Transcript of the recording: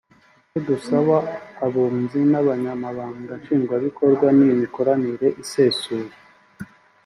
icyo dusaba abunzi n’abanyamabanga nshingwabikorwa ni imikoranire isesuye”